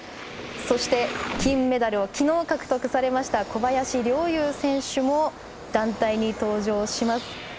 そして、金メダルを昨日、獲得されました小林陵侑選手も団体に登場します。